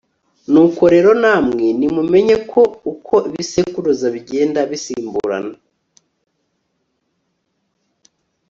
nuko rero namwe, nimumenye ko uko ibisekuruza bigenda bisimburana